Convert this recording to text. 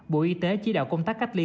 bộ y tế chỉ đạo công tác cách ly